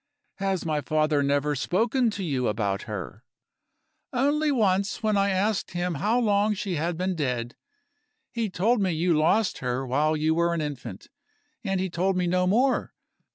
"Has my father never spoken to you about her?" "Only once, when I asked him how long she had been dead. He told me you lost her while you were an infant, and he told me no more.